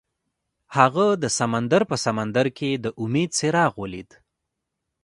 هغه د سمندر په سمندر کې د امید څراغ ولید.